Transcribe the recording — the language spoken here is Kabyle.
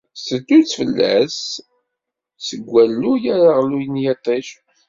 Tetteddu-tt fell-as seg walluy ar aɣelluy n yiṭij.